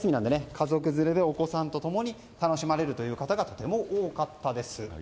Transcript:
家族連れでお子さんと共に楽しまれる方がとても多かったです。